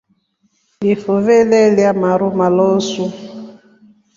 Ifuve lelya maru malosu.